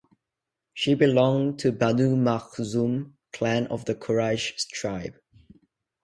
She belong to Banu Makhzum clan of the Quraysh tribe.